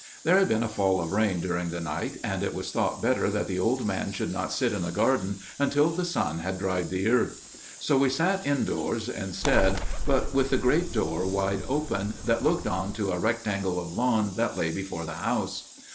There had been a fall of rain during the night, and it was thought better that the old man should not sit in the garden until the sun had dried the earth––so we sat indoors instead, but with the great door wide open, that looked on to a rectangle of lawn that lay before the house.